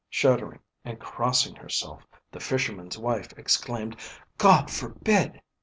Shuddering, and crossing herself, the Fisherman's wife exclaimed, "God forbid!"